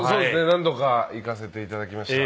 何度か行かせて頂きました。